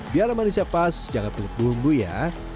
biar manisnya pas jangan pilih bumbu ya